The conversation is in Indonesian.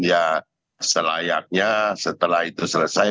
ya selayaknya setelah itu selesai